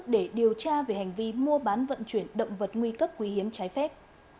để điều tra về hành vi mua bán vận chuyển động vật nguy cấp quý hiếm trái phép